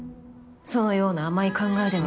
そのような甘い考えでは。